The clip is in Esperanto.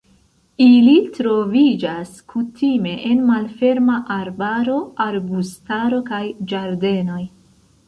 Ili troviĝas kutime en malferma arbaro, arbustaro kaj ĝardenoj.